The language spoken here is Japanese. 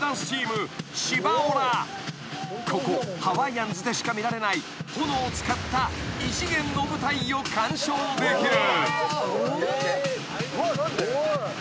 ［ここハワイアンズでしか見られない炎を使った異次元の舞台を観賞できる］